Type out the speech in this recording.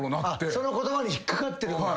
その言葉に引っ掛かってるんだ。